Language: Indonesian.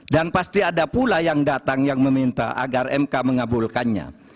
pasti ada pula yang datang yang meminta agar mk mengabulkannya